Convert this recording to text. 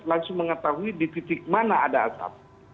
langsung mengetahui di titik mana ada atap